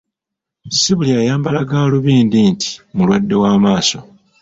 Si buli ayambala ggaalubindi nti mulwadde wa maaso.